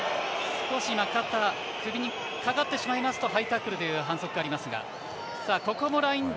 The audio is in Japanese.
肩、首にかかってしまいますとハイタックルという反則があります。